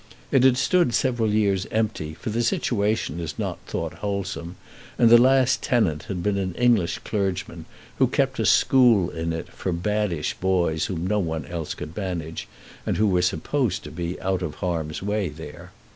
It had stood several years empty, for the situation is not thought wholesome, and the last tenant had been an English clergyman, who kept a school in it for baddish boys whom no one else could manage, and who were supposed to be out of harm's way there.